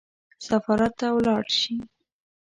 سفارت ته ولاړ شي.